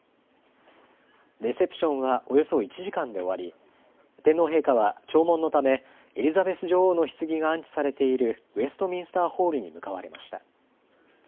レセプションはおよそ１時間で終わり、天皇陛下は弔問のため、エリザベス女王のひつぎが安置されているウェストミンスターホールに向かわれました。